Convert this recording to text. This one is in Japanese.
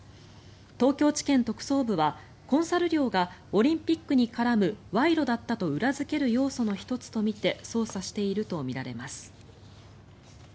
東京地検特捜部はコンサル料がオリンピックに絡む賄賂だったと裏付ける要素の１つとみて捜査しているとみられます。